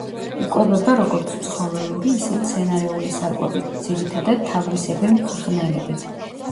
იკვებება როგორც ცხოველური, ისე მცენარეული საკვებით, ძირითადად თაგვისებრი მღრღნელებით.